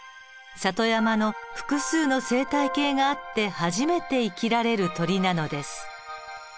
里山の複数の生態系があって初めて生きられる鳥なのです。